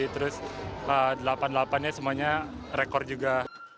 terus delapan delapan nya semuanya rekor juga